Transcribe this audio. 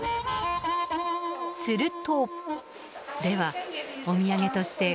すると。